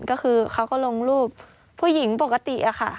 ก็คือเขาก็ลงรูปผู้หญิงปกติอะค่ะ